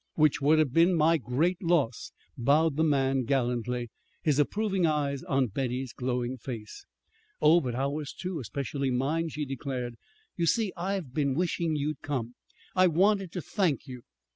"Which would have been my great loss," bowed the man gallantly, his approving eyes on Betty's glowing face. "Oh, but ours, too, especially mine," she declared. "You see, I've been wishing you'd come. I wanted to thank you."